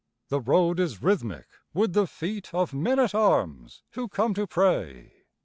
The road is rhythmic with the feet Of men at arms who come to pray.